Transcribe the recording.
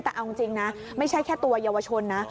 แต่เอาจริงนะไม่ใช่แค่ตัวเยาวชนนะ